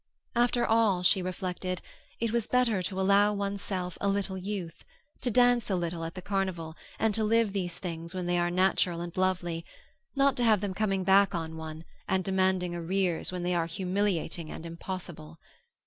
After all, she reflected, it was better to allow one's self a little youth to dance a little at the carnival and to live these things when they are natural and lovely, not to have them coming back on one and demanding arrears when they are humiliating and impossible.